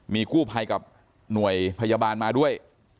มีกู้ภัยกับหน่วยพยาบาลมาด้วย